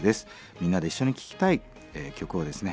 みんなで一緒に聴きたい曲をですね